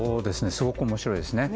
すごく面白いですね。